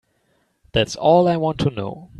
That's all I want to know.